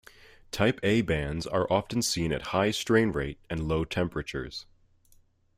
Type A bands are often seen at high strain rate and low temperatures.